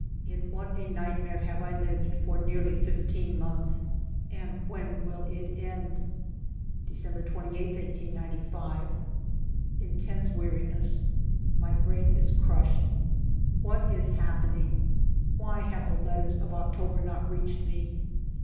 In what a nightmare have I lived for nearly fifteen months, and when will it end ? December 28, 1895. Intense weariness ! My brain is crushed. What is happening? Why have the letters of October not reached me?